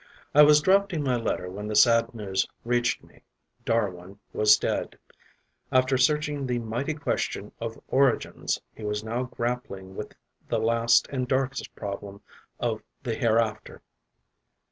I was drafting my letter when the sad news reached me: Darwin was dead; after searching the mighty question of origins, he was now grappling with the last and darkest problem of the hereafter.